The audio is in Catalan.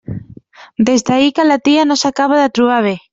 Des d'ahir que la tia no s'acaba de trobar bé.